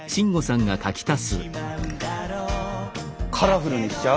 カラフルにしちゃう？